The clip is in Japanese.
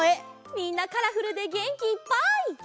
みんなカラフルでげんきいっぱい！